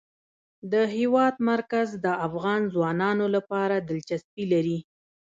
د هېواد مرکز د افغان ځوانانو لپاره دلچسپي لري.